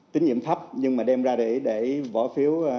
tín nhiệm thấp nhưng mà đem ra để bỏ phiếu tín nhiệm